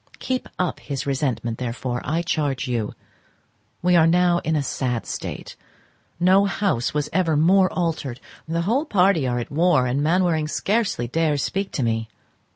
Keep up his resentment, therefore, I charge you. We are now in a sad state; no house was ever more altered; the whole party are at war, and Mainwaring scarcely dares speak to me.